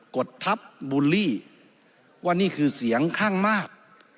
กฎทัพบูลลี่ว่านี่คือเสียงข้างมาก